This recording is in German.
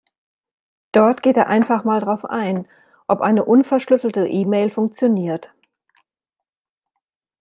Dort geht er einfach mal darauf ein, ob eine unverschlüsselte E-Mail funktioniert.